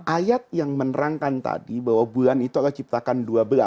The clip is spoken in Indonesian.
ayat yang menerangkan tadi bahwa bulan itu allah ciptakan dua belas